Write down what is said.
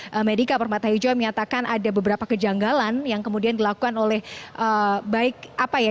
yang diperbatalkan oleh pak permata hijau yang menyatakan ada beberapa kejanggalan yang kemudian dilakukan oleh baik apa ya